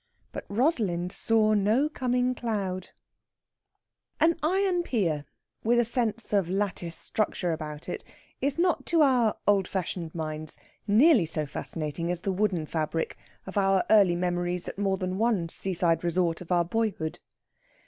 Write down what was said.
BUT ROSALIND SAW NO COMING CLOUD An iron pier, with a sense of lattice structure about it, is not to our old fashioned minds nearly so fascinating as the wooden fabric of our early memories at more than one seaside resort of our boyhood.